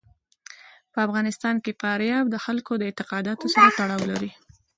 په افغانستان کې فاریاب د خلکو د اعتقاداتو سره تړاو لري.